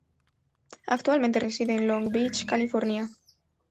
Actualmente reside en Long Beach, California.